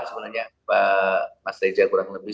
sebenarnya pak mas reza kurang lebih